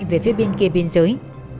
về phía bên kia biên giới